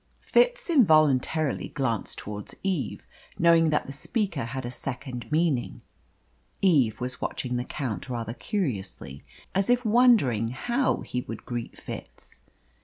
Fitz involuntarily glanced towards Eve, knowing that the speaker had a second meaning. Eve was watching the Count rather curiously, as if wondering how he would greet Fitz.